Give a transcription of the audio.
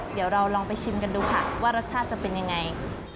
เดี๋ยวเราลองไปชิมกันดูค่ะว่ารสชาติจะเป็นยังไง